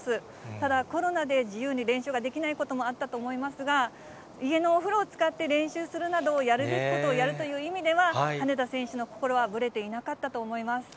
ただコロナで自由に練習ができないこともあったと思いますが、家のお風呂を使って練習するなど、やるべきことをやるという意味では、羽根田選手の心はぶれていなかったと思います。